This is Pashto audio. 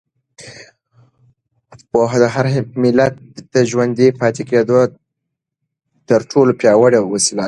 پوهه د هر ملت د ژوندي پاتې کېدو تر ټولو پیاوړې وسیله ده.